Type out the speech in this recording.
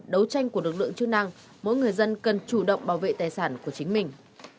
doanh của lực lượng chức năng mỗi người dân cần chủ động bảo vệ tài sản của chính mình